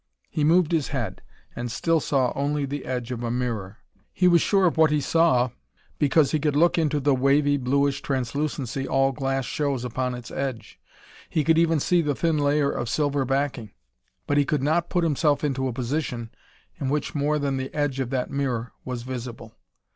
He moved his head and still saw only the edge of a mirror. He was sure of what he saw, because he could look into the wavy, bluish translucency all glass shows upon its edge. He could even see the thin layer of silver backing. But he could not put himself into a position in which more than the edge of that mirror was visible.